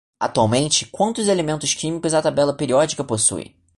Atualmente, quantos elementos químicos a tabela periódica possui?